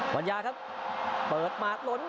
วันยาครับเปิดหมากล้น